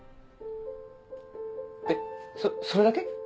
えっそれだけ？